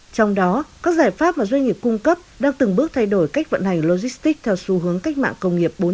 trong đó các giải pháp mà doanh nghiệp cung cấp đang từng bước thay đổi cách vận hành logistics theo xu hướng cách mạng công nghiệp bốn